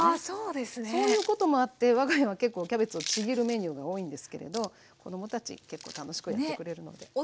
そういうこともあって我が家は結構キャベツをちぎるメニューが多いんですけれど子どもたち結構楽しくやってくれるので。